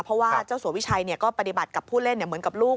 เพราะว่าเจ้าสัววิชัยก็ปฏิบัติกับผู้เล่นเหมือนกับลูก